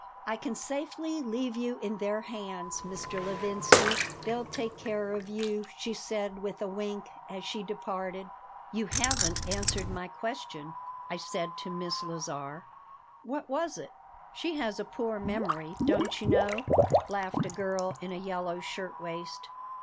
"I can safely leave you in their hands, Mr. Levinsky. They'll take care of you," she said, with a wink, as she departed "You haven't answered my question," I said to Miss Lazar "What was it?" "She has a poor memory, don't you know," laughed a girl in a yellow shirt waist.